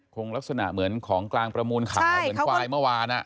คงลักษณะเหมือนของกลางประมูลขาวเหมือนควายเมื่อวาน